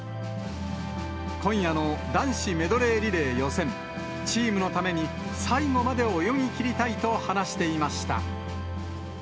今夜の男子メドレーリレー予選、チームのために最後まで泳ぎきりたいと話していました。